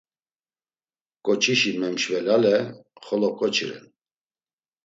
Ǩoçişi memşvelale xolo ǩoçi ren!